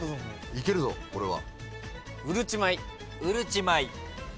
いけるぞこれは。